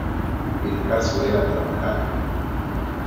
El caso era trabajar.